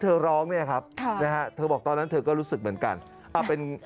เธอร้องเนี่ยครับเธอบอกตอนนั้นเธอก็รู้สึกเหมือนกันเป็น